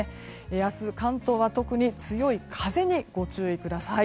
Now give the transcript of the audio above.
明日、関東は特に強い風にご注意ください。